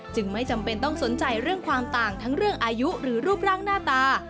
ไม่จำเป็นต้องสนใจเรื่องความต่างทั้งเรื่องอายุหรือรูปร่างหน้าตา